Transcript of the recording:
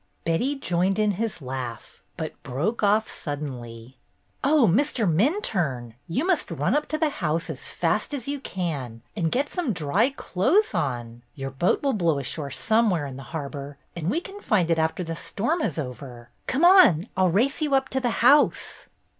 Betty joined in his laugh, but broke off suddenly. 21 6 BETTY BAIRD'S GOLDEN YEAR " Oh, Mr. Minturne, you must run up to the house as fast as you can and get some dry clothes on. Your boat will blow ashore some where in the harbor and we can find it after the storm is over. Come on, I'll race you up to the house."